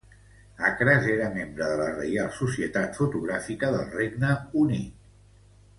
Acres era membre de la Reial Societat Fotogràfica del Regne Unit.